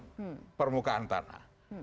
pertama permukaan tanah